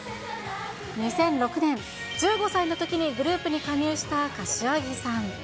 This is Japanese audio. ２００６年、１５歳のときにグループに加入した柏木さん。